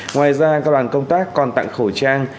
ngoài ra các đoàn công tác còn tặng khẩu trang